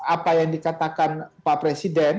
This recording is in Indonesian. apa yang dikatakan pak presiden